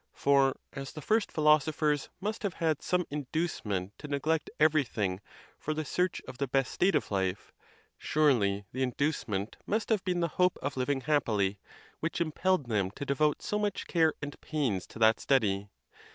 For as the first philosophers must have had some inducement to neglect everything for the search of the best state of life: surely, the inducement must have been the hope of living happi ly, which impelled them to devote so much care and pains to that study.